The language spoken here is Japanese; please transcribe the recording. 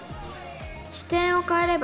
視点を変えれば。